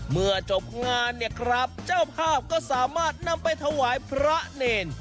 เมื่อจบงานเนี่ยครับเจ้าภาพก็สามารถนำไปถวายพระเนร